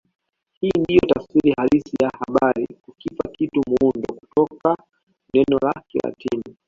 Hii ndiyo tafsiri halisi ya habari kukipa kitu muundo kutoka neno la Kilatini